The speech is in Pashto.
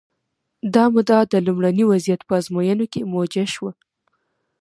دا مدعا د لومړني وضعیت په ازموینو کې موجه شوه.